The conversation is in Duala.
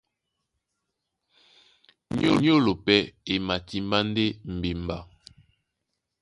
Nyólo pɛ́ e matimbá ndé mbimba.